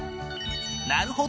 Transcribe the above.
なるほど。